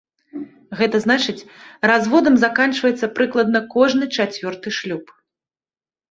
Гэта значыць, разводам заканчваецца прыкладна кожны чацвёрты шлюб.